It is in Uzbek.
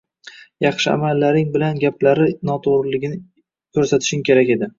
Yaxshi amallaring bilan gaplari noto`g`riligini ko`rsatishing kerak edi